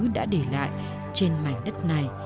đã để lại trên mảnh đất này